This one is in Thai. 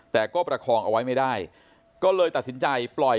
แต่ก็ประคองเอาไว้ไม่ได้ก็เลยตัดสินใจปล่อย